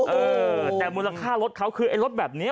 เอ่แต่มูลค่ารถเขาคือแบบนี้